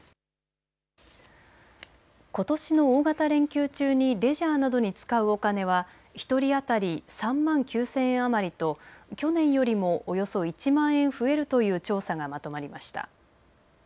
ことしの大型連休中にレジャーなどに使うお金は１人当たり３万９０００円余りと去年よりもおよそ１万円増えるという調査がまとまりました。